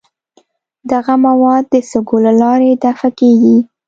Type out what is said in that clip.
دغه مواد د سږو له لارې دفع کیږي.